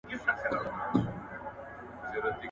او هغه تر خپل سر په تېرېدلو سره